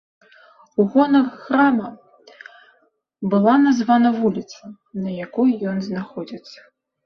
У гонар храма бала названа вуліца, на якой ён знаходзіцца.